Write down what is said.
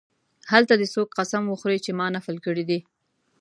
هلته دې څوک قسم وخوري چې ما نفل کړی دی.